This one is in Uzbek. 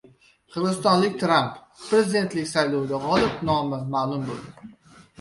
«Qirg‘izistonlik Tramp». Prezidentlik saylovida g‘olib nomi ma’lum bo‘ldi